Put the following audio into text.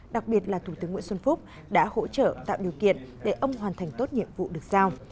đặc biệt là thủ tướng nguyễn xuân phúc đã hỗ trợ tạo điều kiện để ông hoàn thành tốt nhiệm vụ được giao